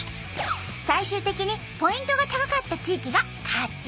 最終的にポイントが高かった地域が勝ち。